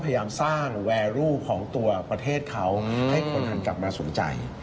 พยายามสร้างแวร์รูของตัวประเทศเขาให้คนหันกลับมาสนใจ